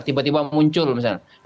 tiba tiba muncul misalnya